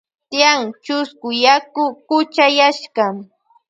Tyan chusku yaku kuchayashka.